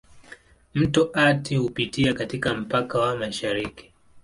Mto Athi hupitia katika mpaka wa mashariki.